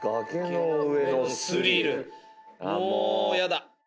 もうやだ